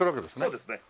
そうですね。